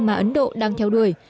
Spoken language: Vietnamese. mà ấn độ đang theo đuổi